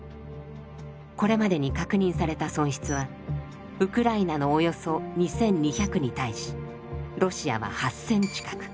これまでに確認された損失はウクライナのおよそ２，２００に対しロシアは８，０００近く。